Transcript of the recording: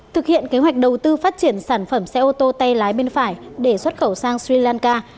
thực hiện kế hoạch đầu tư phát triển sản phẩm xe ô tô tay lái bên phải để xuất khẩu sang sri lanka